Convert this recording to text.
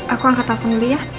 aku angkat telfon dulu ya